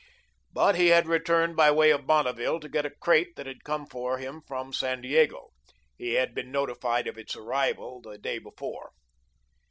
But he had returned by way of Bonneville to get a crate that had come for him from San Diego. He had been notified of its arrival the day before.